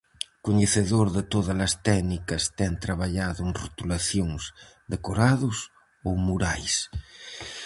Coñecedor de tódalas técnicas ten traballado en rotulacións, decorados ou murais.